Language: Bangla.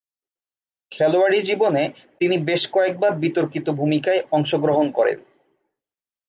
খেলোয়াড়ী জীবনে তিনি বেশ কয়েকবার বিতর্কিত ভূমিকায় অংশগ্রহণ করেন।